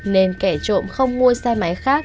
nên kẻ trộm không mua xe máy khác